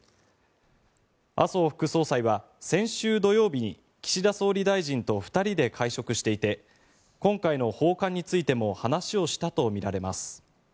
麻生副総裁は先週土曜日に岸田総理大臣と２人で会食していて今回の訪韓についても話をしたとみられます。